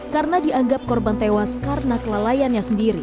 karena dianggap korban tewas karena kelalaiannya sendiri